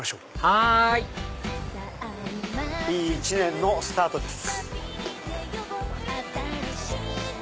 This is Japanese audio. はいいい一年のスタートです。